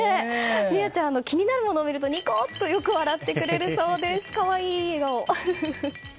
深愛ちゃんは気になるものを見るとニコッ！とよく笑ってくれるそうです。